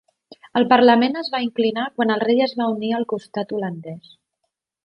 El parlament es va inclinar quan el rei es va unir al costat holandès.